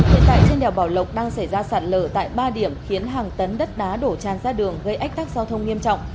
hiện tại trên đèo bảo lộc đang xảy ra sạt lở tại ba điểm khiến hàng tấn đất đá đổ tràn ra đường gây ách tắc giao thông nghiêm trọng